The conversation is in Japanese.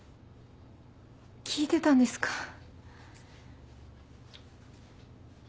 聞いてたんですか。